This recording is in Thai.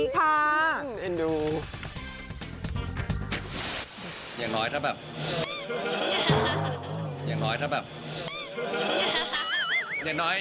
อย่างน้อยถ้าแบบ